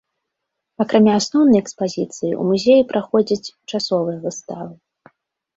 Акрамя асноўнай экспазіцыі ў музеі праходзяць часовыя выставы.